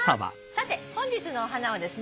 さて本日のお花はですね